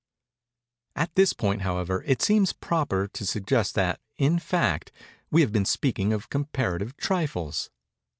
At this point, however, it seems proper to suggest that, in fact, we have been speaking of comparative trifles.